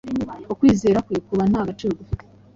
ukwizera kwe kuba nta gaciro gufite.